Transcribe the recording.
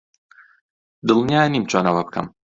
دڵنیا نیم چۆن ئەوە بکەم.